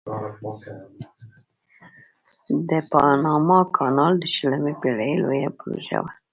د پاناما کانال د شلمې پیړۍ لویه پروژه وه.